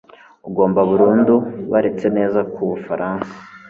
ugomba burundu baretse neza ku bufaransa